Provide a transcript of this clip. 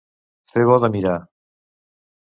Fer bo de mirar.